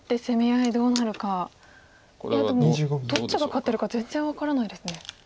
いやでもどっちが勝ってるか全然分からないですね。